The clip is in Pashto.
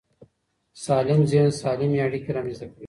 سالم ذهن سالمې اړیکې رامنځته کوي.